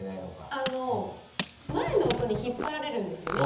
あの前の音に引っ張られるんですよね。